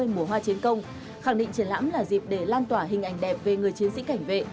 hai mươi mùa hoa chiến công khẳng định triển lãm là dịp để lan tỏa hình ảnh đẹp về người chiến sĩ cảnh vệ